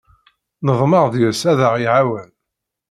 Neḍmeɛ deg-s ad aɣ-iɛawen.